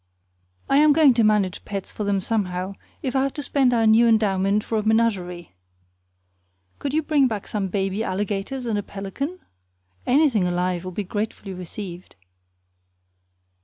I am going to manage pets for them somehow, if I have to spend our new endowment for a menagerie. Couldn't you bring back some baby alligators and a pelican? Anything alive will be gratefully received.